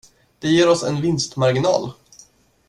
Det ger oss en vinstmarginal!